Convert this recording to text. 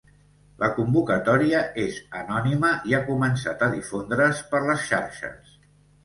La convocatòria és anònima i ha començat a difondre’s per les xarxes.